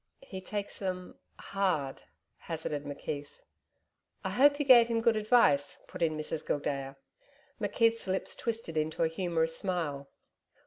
'He takes them hard,' hazarded McKeith. 'I hope you gave him good advice,' put in Mrs Gildea. McKeith's lips twisted into a humorous smile.